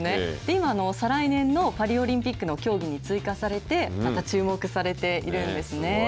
今、再来年のパリオリンピックの競技に追加されて、また注目されているんですね。